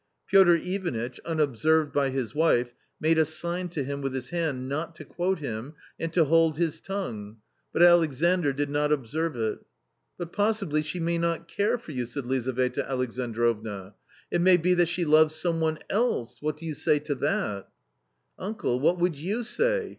Piotr Ivanitch, unobserved by his wife, made a sign to him .; with his hand not to quote him and to hold his tongue, but Alexandr did not observe it. ^." But possibly she may not care for you," said Lizaveta ^^ ^'Alexandrovna "it may be that she loves some one else ■^^.. what do you say to that ?" Uncle, what would you say?